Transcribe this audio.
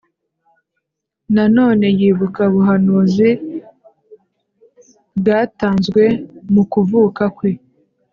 Na none yibuka ubuhanuzi bwatanzwe mu kuvuka kwe.